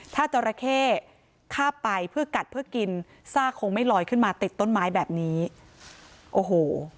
ถ้าจราเข้ข้าบไปเพื่อกัดเพื่อกินซากคงไม่ลอยขึ้นมาติดต้นไม้แบบนี้โอ้โห